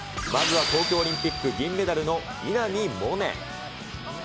まずは東京オリンピック、銀メダルの稲見萌寧。